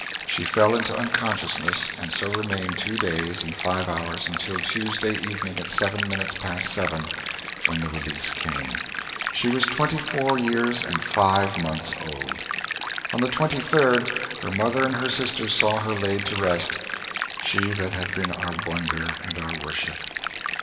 She fell into unconsciousness and so remained two days and five hours, until Tuesday evening at seven minutes past seven, when the release came. She was twenty four years and five months old. On the 23d, her mother and her sisters saw her laid to rest she that had been our wonder and our worship.